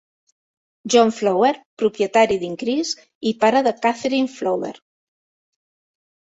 John Flower, propietari d'Increase i pare de Katherine Flower.